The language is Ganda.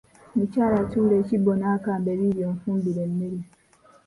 Mukyala tuula ekibbo n’akambe biibyo onfumbire emmere.